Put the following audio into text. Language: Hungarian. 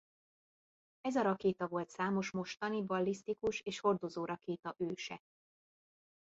Ez a rakéta volt számos mostani ballisztikus és hordozórakéta őse.